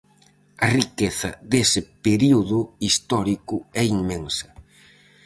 A riqueza dese período histórico é inmensa.